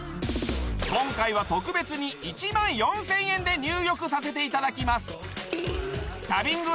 今回は特別に１万４０００円で入浴させていただきます